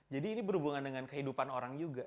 jadi ini berhubungan dengan kehidupan orang juga